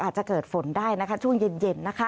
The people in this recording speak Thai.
อาจจะเกิดฝนได้ช่วงเย็น